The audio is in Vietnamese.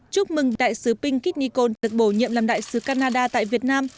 chúc mừng đại sứ pinky nikon được bổ nhiệm làm đại sứ canada tại việt nam